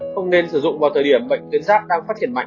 không nên sử dụng vào thời điểm bệnh tuyến giáp đang phát triển mạnh